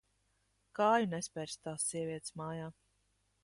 Kāju nespersi tās sievietes mājā.